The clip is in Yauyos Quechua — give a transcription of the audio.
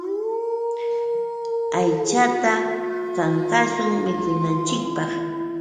Aychata kankashun mikunanchikpaq.